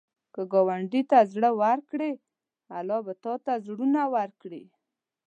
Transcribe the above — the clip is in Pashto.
که ګاونډي ته زړه ورکړې، الله به تا ته زړونه ورکړي